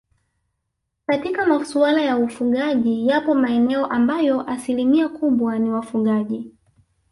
Katika maswala ya ufugaji yapo maeneo ambayo asilimia kubwa ni wafugaji